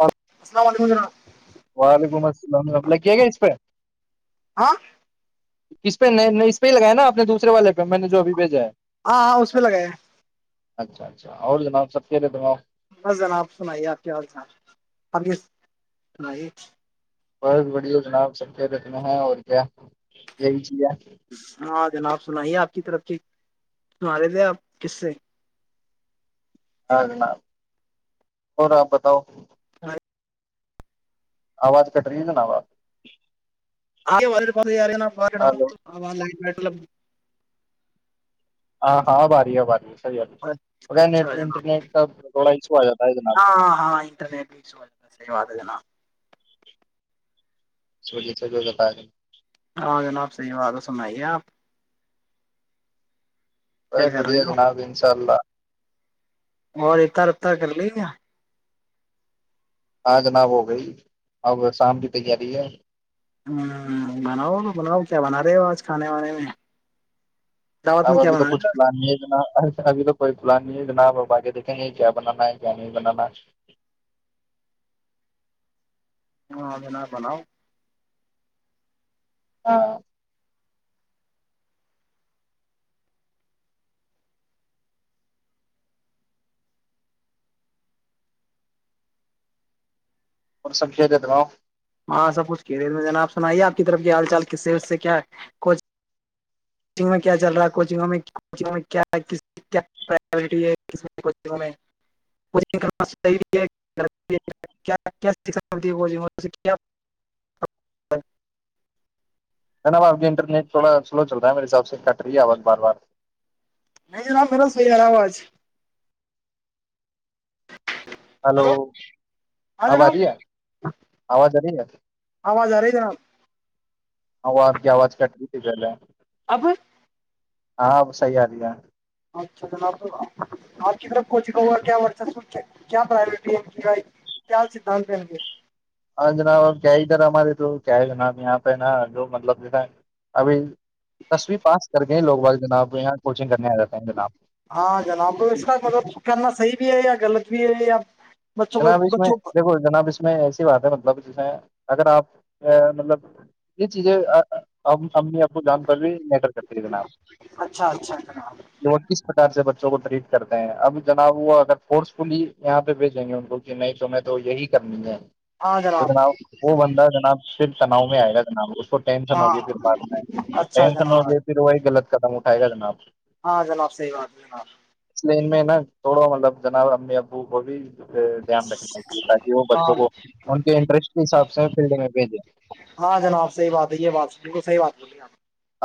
ا [unintelligible] ن وینا [unintelligible] وعلیکم السلام ر اللہ کیا گ اس پہ ہاں [unintelligible] کس پہ نہیں اس پہ ہی لگیا نا اپنے دوسرے والے پہ میں نے جو ابھی بھیجا ہے ہاں ہاں اس پہ لگا اچھا اچھا اور جناب سب کے رہےتےناؤ بس جناب آپ سنائیے آپ کی آازان آپ سائیے بہت بڑی ہو جناب سبف رت میں ہے اور کیا یہی چیز ہے ہاں جناب سنائیے آپ کی طرف سے تمارے تھے آپ کس سے [unintelligible] ہاں جناب اور آپ بتاؤ [unintelligible] آواز کٹ رہی ہے ہے نا آواز [unintelligible] آگ [unintelligible] ار نا پ تو [unintelligible] ملب [unintelligible] ہاں ہاں آ باری ہے باری ہے [unintelligible] ہے اچھا نیٹ جناب انٹرنیٹ کا تھوڑا ایشو آ جاتا ہے جناب ہاں ہاں انٹرنیٹ بھیا صحی بات ہے جناب [unintelligible] چو ج س جو بتا رہ [unintelligible] ہاں جناب صحی بات ہے سنائیے آپ بس کیا کر بڑھیا رہے ہو جناب انشاء اللہ اور ات رت کر لی گیا [unintelligible] ہاں جناب ہو گئی اب شام کی تیاری ہے ہ بناؤ تو بناؤ کیا بنا رہے ہو آج کھانے وانے میں دعوت اب میں کیا ابھی تو بنا کچھ رہے پلان نہیں اتنا ابھی تو کوئی بلانی ہے جناب اپ آگے دیکھیں گے کیا بنانا ہے کیا نہیں بنانا [unintelligible] ہاں انار با نا [unintelligible] ہاں [unintelligible] اور سمشے دیتنا [unintelligible] ہاں سب کچھ کھی رہے تھ جا آپ سنائیے آپ کی طرف حال چال کس سے سے کیا کوچ چنگ میں کیا چل رہا ہے کوچنگ میںچنگ کیا کیا ہےچگ میںچگ کرنا صحیح کیاتی ہےچگ ن آپ کے انٹرنیٹ تھوڑا سلو چل رہا ہے میرے حساب سے کٹ رہی ہے آواز بار بار نہیں ب میرا صحی ہے رہا آواز ہلو ہاں آب آ جناب رہی ہے آواز آ رہی ہے آواز آ رہی ہے جناب آواز کی آواز کٹ رہی جھیک ال [unintelligible] اب [unintelligible] ہاں وہ صحیح آ رہی ہے [unintelligible] اچھا جناب آپ کی طرف کوچگا ہو اور کیاہ کیا پرورٹی کی کیا سدھانت انے [unintelligible] ہاں جناب کیا ادھر ہمارے تو کیا ہے جناب یہاں پہ نا جو مطلب دا ابھی تسو پاس کر گئے لوگ باگ جناب یہاں کوچنگ کرنے آ جاتے ہیں جناب ہاں جناب تو اس کا مطلب کرنا صحی بھی ہے یا [unintelligible] غلط بھی ہے یاپ [unintelligible] جناب اس میں دیکھو جناب اس میں ایسی بات ہے مطلب جس میں اگر آپ مطلب یہ چیزیں امی ابو جان پر بھی ل کر کے فرینا آپ اچھا اچھا جناب یہ وہ کس پرار سے ب [unintelligible] کو ٹریٹ کرتے ہیں اب جناب وہ اگر فورس فلی یہاں پہ بھیجیں گے ان کو [unintelligible] ک نہیں تومیں تو یہی کرنی ہے [unintelligible] تو جناب وہ بندہ جناب صرف تناؤ میں آئے گا جناب اس کو ٹینشن ہاں ہوگیا پھر بعد میں اچھا ٹینشن ہو جناب گیا پھر وہی غلط قدم ہو آائے گا جناب ہاں جناب صحیح بات ہے جناب ن تھوڑو مطلب جناب امی آبو ہو بھی دان رکھنااہے تاکہ وہ ہاں بچوں کو ان کے انٹرسٹ کے حساب سے فیلڈ میں بھیجیں ہاں جناب صحیح بات ہے یہ بات بالکل صحیح بات بولی آ [inaudible]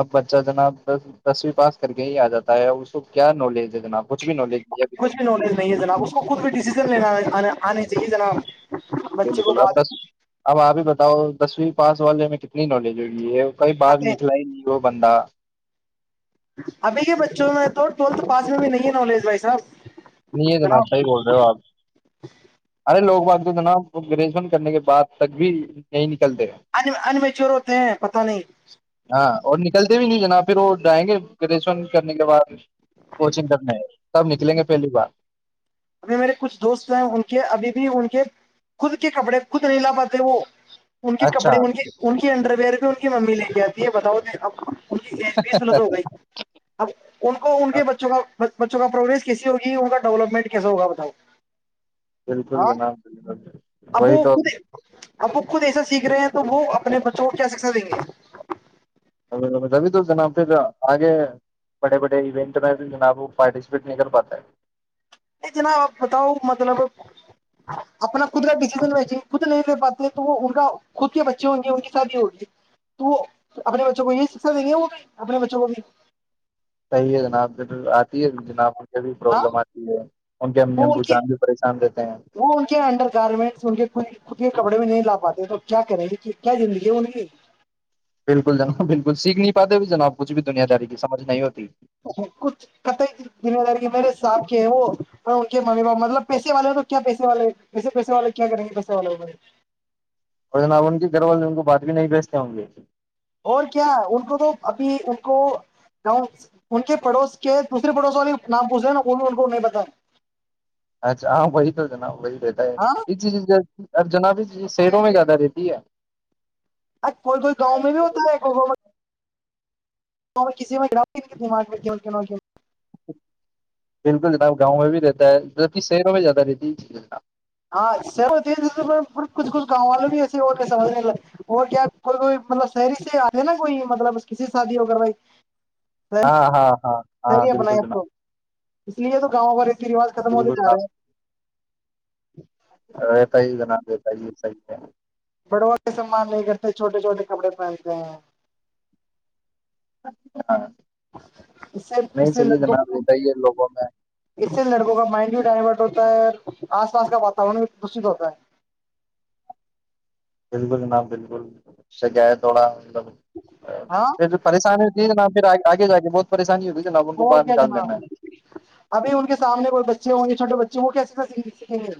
اب بچہ جوناب د دسویں پاس کر کے ہی آ جاتا ہے اس کو کیا نالج ہے جناب کچھ بھی نالج نہیں ہے ابھی تو کچھ بھی نٹیج نہیں ہے جناب اس کو خود بھی ڈسیزن لینا آنا آ نہیں تھ کی جنا بالکل اب دس اب آپ بھی بتاؤ دسویں پاس والے میں کتنی نالج ہوگی ہے ئی بات کہتے ہیں نکل نی بندہ ابھی کے بچوں میں تو ٹولتھ پاس میں بھی نہیں ہے نالج بھائی صاحب نہیں جناب صح ہی بول رہے ہو آپ ارے لوگ بات جناب ا گریجشن کرنے کے بد تک بھی نہیں نکل ان مچور ہوتے ہیں پت نہیں ہاں اور نکلتے بھی نہیں جنا پھر وہ جائیں گے گریجویشن کرنے کے بعد کوچنگ کرنے تب نکلیں گے پہلی بار اھی میرے کچھ دوست ہیں ان کے ابھی بھی ان کے خود کے کپڑے خود نہیں لا پاتے وہ ان کے اچھا کپڑے ان کے ان کی انڈر ویئر بھی ان کی ممی لے کے آتی ہے بتاؤ ان کی ایج بیس ملت ہو گئی اب ان کو ان کے بچوں کا بچوں کا پروگرس کیسی ہوگی ان کا ڈیولپمنٹ کیسا ہوگا بتاؤ بالکل ہاں جناب بالکل اب وہی وہ تو خود اب وہ خود ایسا سیکھ رہے ہیں تو وہ اپنے بچوں کو کیا سیکا دیں گے بھی تو جناب پھر آگے بڑے بڑے ایونٹ میں جناب وہ پارٹیسپیٹ نہیں کر پاتا ہے نہیں جناب آپ بتاؤ مطلب اپنا خود کا ڈسیزن میںی خود نہیں لے پاتے تو وہ ان کا خود کے بچے ہوں گے ان کی شادی ہوگی تو وہ اپنے بچوں کو یہی شکشا دیں گے وہ بھی اپنے بچوں کو بھی صحیح ہے جنابھر آتی ہے جناب میں سے بھی ہاں پرابلم آتی ہے ان کے امی وہ ان ابو کے جان بھی پریشان رہتے ہیں وہ ان کے انڈر گارمنٹس ان کے خ کپڑے میں نہیں لا پاتے تو کیا کریں گے کیا زندگی ہے ان کی بالکل جناب بالکل سیکھ نہیں پاتے جناب کچھ بھی دنیا داری کی سمجھ نہیں ہوتی اچا کچھ کت ذمہ داری ہے میرے سے صاب کے ہیں وہ اور ان کے م پاپ مطلب پیسے والے ہو تو کیا پیسے والےسے پیسے والے کیا کریں گے پیسے والے ہو ب اور جناب ان کے گھر والے ان کو بات بھی نہیں بھیجتے ہوں گے اور کیا ان کو تو ابھی ان کو ان کے پڑوس کے دوسرے پڑوس والے نام پوچھ رہے ہیں نا ان ان کو نہیں بت اچھا ہ بی تو ج ن ہ بی رہتا ہے ہاں ار جناب شیروں میں زیادہ رہتی ہے [unintelligible] ا کوئی کوئی گاؤں میں بھی ہوتا ہے گ تو کسی میں جرا دماغ میں کی بالکل جناب گاؤں میں بھی رہتا ہے ج شہروں میں زیادہ رہتی ہے جب ہاں کچھ کچھ گاؤں والوں بھی ایسے اور سمجھنے اور کیا کوئیئی مطلب شہری سے آ ج نا کوئی مطلب کسی سے شادی ہو کر بھائی ہاں ہاں ہاں ہاں شہری بالکل اپنائے اب جناب تو اس لیے تو گاؤں بے [unintelligible] روج ختم ہوتے جا رہے ہیں [unintelligible] رہت ہی جنا [unintelligible] ج یہ صحیح ہے [unintelligible] و کے سامان نہیں کرتے چھوٹے چھوٹے کپڑے پہنتے ہیں [unintelligible] اچھا [unintelligible] اس سے اس سے لڑکوں کا رہتا ہی ہے لوگوں میں اس سے لڑکوں کا مائنڈ ہی ڈائورٹ [unintelligible] ہوتا ہے آس پاس کا واتورن بھی دشت ہوتا ہے [unintelligible] بالکل جناب بالکل ش کیا ہے تھوڑا [unintelligible] ہاں پھر پریشانی ہوتی ہے نہ پھر آگے [unintelligible] آگے جاے بہت پریشانی ہوگی اور کیا جناب ابھی ان کے سامنے کوئی بچے ہوں گے چھوٹے بچے جو کہسے تو گ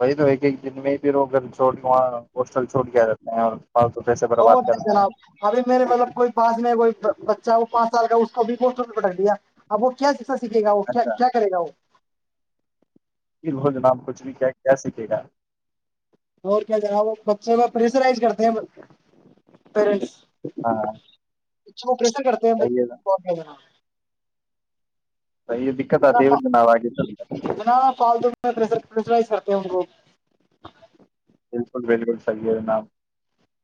وہی تو ایک ایک دن میں ہی پو گھر چھوڑ کے وہاں ہوسٹل چھوڑ کے رہتے ہیں اور فالتو پیسے وہ برباد کرتے ہیں جناب ابھی میرے مطلب کوئی پاس نہیں کوئی بچہ وہ پانچ سال کا اس کو بھی گوٹ پٹک دیا ا وہ کیا سیکھے گا وہ اچھا کیا کرے گا وہ پ ہو جناب کچھ بھی کیا سیکھے گا؟ اور کیا کہ رہا وہ بچے کا پریشرائز کرتے ہیں پیرنٹس ہاں اچھ کیسے کرتے صحیح ہے صحیح ہے دقت آتی ہے نا جناب آگے چل کر اتنا فالتو میں پرشرائیز کرتے ہیں ان کو بالکل بالکل صحیح ہے جناب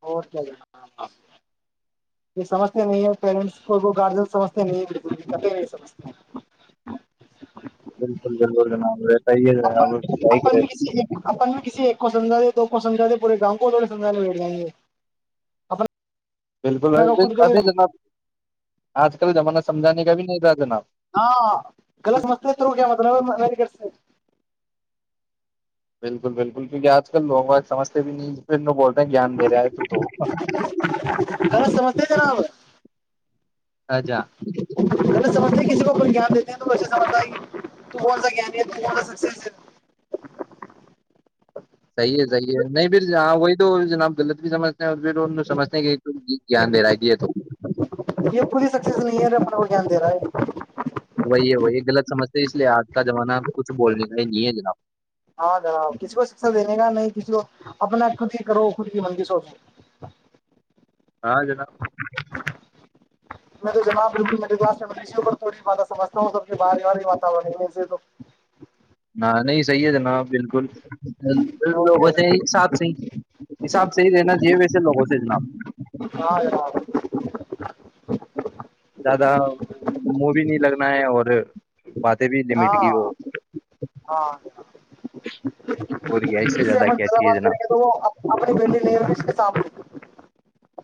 اور کیا یہ سمجھتے نہیں ہیں پیرنٹس کو گارجین سمجھتے نہیں ہے بالکلتے نہیں سمجھتے بالکل [unintelligible] اپن جناب صحیح اپن کرے بھی کسی ایک اپن بھی کسی ایک کو سمجھا دے دو کو سمجا د پورے گاؤں کو تھڑے سجھاے بیٹ جائیں گے اپنا بالکل ابھی خود کو ابھی بھی جناب آج کل زمانہ سمجانے کا بھی نہیں تھا جناب ہاں غلط مستے توو کیا مطلب ہے م گٹ سے بالکل بالکل کیونکہ آج کل لوگ آج سمجھتے بھی نہیں پھر ن بولتے ہیں گیان دے رہا ہے تو تو ہیلو سمجھتے جناب اجا اگر سمجھتے کسی کو کوئی گیان دیتے ہیں تو ایسا سمجھتا ہے تو کون سا گیانی ہے تو کون سا سکسیس ہے صحیح ہے صحیح ہے نہیں پھر ہاں وہی جناب غلط بھی سمج اور پھر ان سمجنے کے تو جانے رہ ہے یہ تو یہ کو بھی سکسیس نہیں ہے اپنا کو گان دے رہا ہے وہی ہے وہی غلط سمجھ اس لیے آج کا زمانہ کچھ بولنے کا ہی نہیں ہے جناب [unintelligible] ہاں جناب کسی کو شکشا دینے کا نہیں کسی کو اپنا خود ہی کرو خود کی منندی سوچو ہاں جناب میں تو جناب بالکل میرے پاس بی ہوں تھوڑی بات سمجھ ہوں سب بار واتا سے تو ہ نہیں صحیح ہے جناب بالکل لوگوں سے ہاں ساتھ س حساب سےحی رہنا چاہیے ویسے لوگوں سے جناب ہاں جاں [unintelligible] زیادہ منہ بھی نہیں لگنا ہے اور باتیں بھی لمٹ ہاں کی ہو ہاں اس اور کیا اس سے زیادہ کیا سے چاہیے جناب زہیں گے تو وہ اپنی بیٹی ل کے سامنے [unintelligible]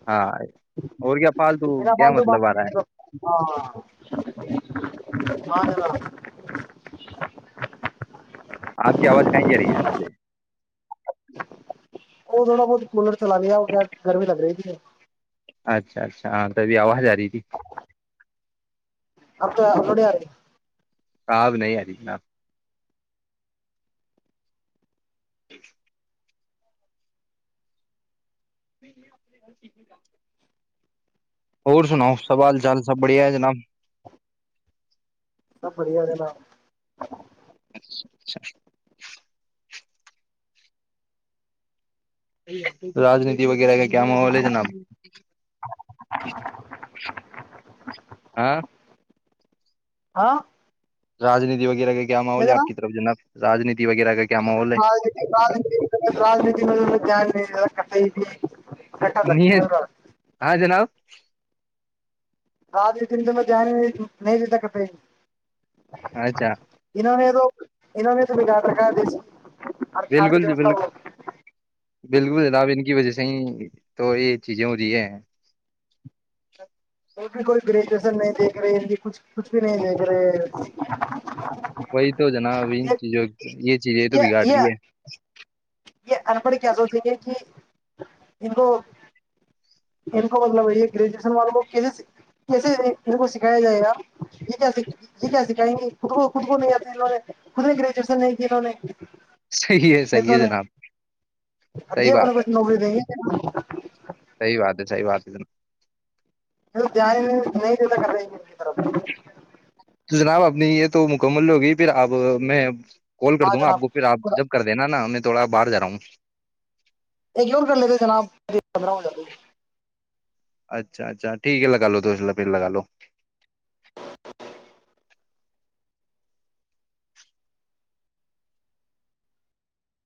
ہاں اور کیا [unintelligible] میر کیا فال تو ب مطلب آ رہا ہے ہاں [unintelligible] بددہ [unintelligible] آپ کی آواز کہیں ج رہی ہے نا ابھی [unintelligible] وہ تھوڑا بہت کولر چلا لیا ہو کیا گرمی لگ رہی تھی [unintelligible] اچھا اچھا ہاں ت ابھی آواز آ رہی تھی [unintelligible] اپ ابڑ [unintelligible] آاب نہیں آ رہیکنا [unintelligible] ٹھیک [unintelligible] [inaudible] اور سناو سوال چال سب بڑھیا ہے جناب [inaudible] ب بڑیا جنا [unintelligible] چ اچھا [unintelligible] رانیتی وغیرہ کا [unintelligible] کیا ماحول ہے جناب [unintelligible] ہ [unintelligible] ہاں [unintelligible] ہاں [unintelligible] رجنیتی وغیرہ کیا ماحول ہے آپ کی طرف جناب [unintelligible] رانیتی [unintelligible] ہاں کیا رہے گا [unintelligible] کت [unintelligible] نہیں ہاں جناب [unintelligible] [unintelligible] آج دن تو میں ج نہیں نہیں دیتا کرتے [unintelligible] اچھا [unintelligible] انہوں نے تو انہوں نے تو بگاٹ رکھا دیس [unintelligible] بالکل جی بالکل بالکل جناب ان کی وجہ سے [unintelligible] صی تو یہ چیزیں ہوتی ہے ہیں [unintelligible] وہ بھی کوئی گریجویشن نہیں دھ رہی ان [unintelligible] کچھ کچھ بھی نہیں ہےے [unintelligible] ہ [inaudible] وہی تو جناب ان چیزوں یہ چیزیں یہ تو بگاڑ رہی ہے یہ انپڑھ کیاضتی یہ کہ ہو [unintelligible] ان کو مطلب یہی گریجویشن والوں کو کیسے کیس ان کو سکھایا جائے گا یہ یہ کیا سکھائیں گے کو خود کو نہیں آتی انہوں نے خود نے گریجویشن نہیں کی انہوں نے صحیح ہے صحیح نیتوں ہے نے جناب اور صحیح یہ اپنے بات ہے کچھ [unintelligible] [inaudible] ی بات ہے صحی بات ہے ن [unintelligible] د نہیں نہیں دیتا کر طرف [unintelligible] تو جناب اپنی یہ تو مکمل ہوگی پھر اب میں کال کر ہاں دوں گا آپ کو پھر آپ جناب جب کر دینا نا میں [unintelligible] تھوڑا باہر جا رہا ہوں [unintelligible] ایکور کر لیتے جناب پندرہ ہو ج [unintelligible] اچھا اچھا ٹھیک ہے لگا لو تو اس ل پھر لگا لو